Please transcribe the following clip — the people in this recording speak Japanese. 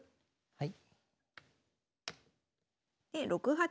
はい。